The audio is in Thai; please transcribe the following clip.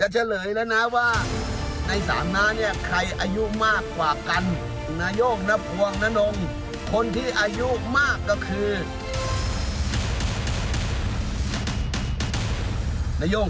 เจ๊ค่ะตอนนี้คุณต้อง